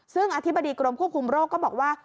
ซึ่งอธิบดีกรมควบคุมโรคก็บอกว่า